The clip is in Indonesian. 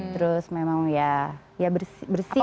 terus memang ya bersih